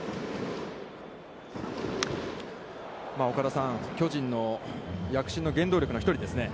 岡田さん、巨人の躍進の原動力の１人ですね。